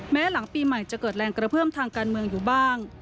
หลังปีใหม่จะเกิดแรงกระเพื่อมทางการเมืองอยู่บ้าง